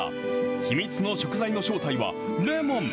秘密の食材の正体はレモン。